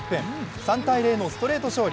３−０のストレート勝利。